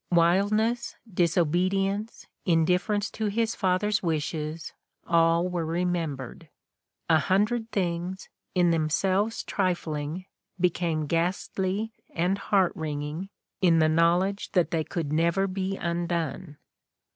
Wildness, disobedience, indifference to his father's wishes, all were remembered; a hundred things, in themselves trifling, became ghastly and heart wringing in the knowledge that they could never be undone.